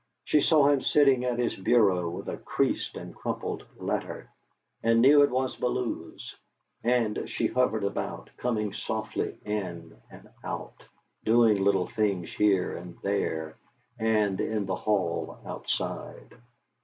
She saw him sitting at his bureau with a creased and crumpled letter, and knew it was Bellew's; and she hovered about, coming softly in and out, doing little things here and there and in the hall, outside.